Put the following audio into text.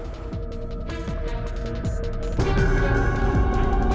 enggak udah kok